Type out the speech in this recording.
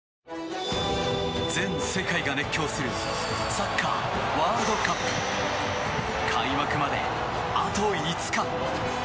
全世界が熱狂するサッカーワールドカップ開幕まで、あと５日。